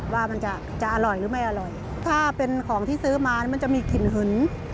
ว่ามันจะจะอร่อยหรือไม่อร่อยถ้าเป็นของที่ซื้อมามันจะมีกลิ่นหึง